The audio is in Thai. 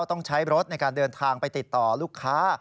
ผมต้องใช้รถดีนทางไปติดต่อลูกค้า